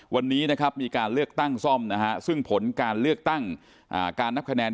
วันนี้นะครับมีการเลือกตั้งซ่อมนะฮะซึ่งผลการเลือกตั้งการนับคะแนน